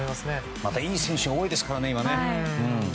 またいい選手が多いですからね。